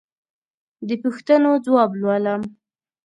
د پوښتنو ځواب لولم.